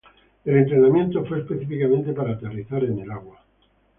El entrenamiento fue específicamente para aterrizar en el agua.